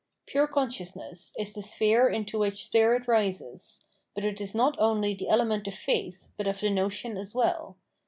Pure consciousness ■ is the sphere into which spirit rises : but it is not only the element of faith, but of the notion as well.